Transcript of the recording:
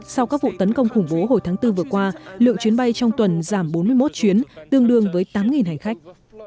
sau các vụ tấn công khủng bố hồi tháng bốn vừa qua lượng chuyến bay trong tuần giảm bốn mươi một chuyến tương đương với tám hành khách